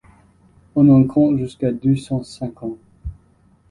On en compte jusqu’à deux cent cinquante.